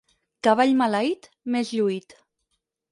Cavall maleït, més lluït.